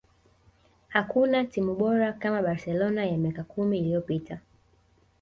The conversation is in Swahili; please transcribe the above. hakuna timu bora kama barcelona ya miaka kumi iliyopita